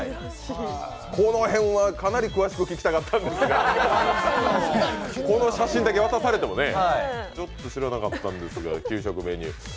この辺はかなり詳しく聞きたかったんですが、この写真だけ渡されてもね、ちょっと知らなかったんですが。